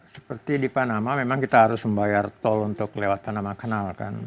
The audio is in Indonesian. seperti di panama memang kita harus membayar tol untuk lewat tanaman kenal kan